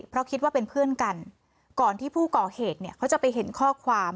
เพราะคิดว่าเป็นเพื่อนกันก่อนที่ผู้ก่อเหตุเนี่ยเขาจะไปเห็นข้อความ